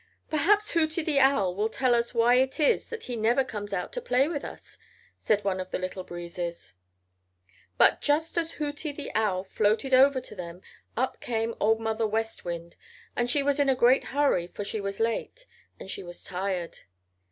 "Perhaps Hooty the Owl will tell us why it is that he never comes out to play with us," said one of the Little Breezes. But just as Hooty the Owl floated over to them up came Old Mother West Wind, and she was in a great hurry, for she was late, and she was tired.